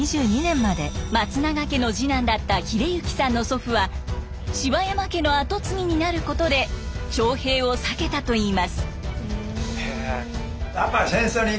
松永家の次男だった英行さんの祖父は柴山家の跡継ぎになることで徴兵を避けたといいます。